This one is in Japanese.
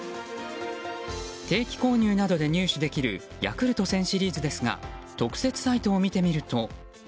定期購入などで入手できるヤクルト１０００シリーズですが特設サイトを見てみると。